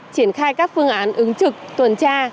triển khai các phương án ứng trực tuần tra